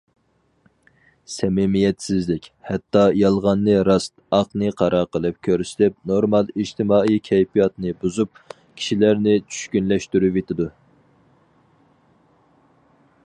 سەمىمىيەتسىزلىك ھەتتا يالغاننى راست، ئاقنى قارا قىلىپ كۆرسىتىپ نورمال ئىجتىمائىي كەيپىياتنى بۇزۇپ، كىشىلەرنى چۈشكۈنلەشتۈرۈۋېتىدۇ.